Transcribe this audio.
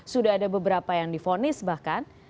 sudah ada beberapa yang difonis bahkan